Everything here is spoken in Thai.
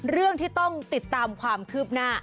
เรื่องที่ต้องติดตามความคืบหน้า